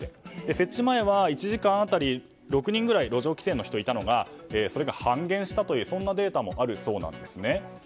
設置前は１時間当たり６人ぐらい路上喫煙の人がいたのが半減したというデータもあるそうです。